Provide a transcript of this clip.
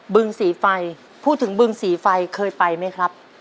ึงสีไฟพูดถึงบึงสีไฟเคยไปไหมครับ